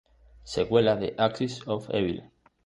Secuela de "Axis Of Evil".